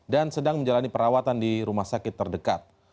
dan sedang menjalani perawatan di rumah sakit terdekat